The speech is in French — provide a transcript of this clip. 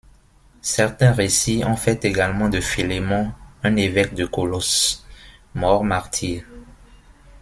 Certains récits ont fait également de Philémon un évêque de Colosses, mort martyr.